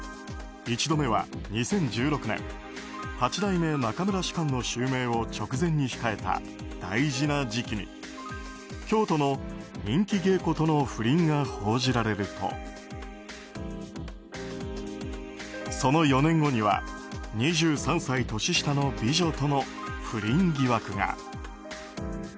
１度目は２０１６年八代目中村芝翫の襲名を直前に控えた大事な時期に京都の人気芸妓との不倫が報じられるとその４年後には２３歳年下の美女との不倫疑惑が。